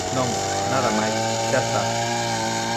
Non, nada máis, xa está.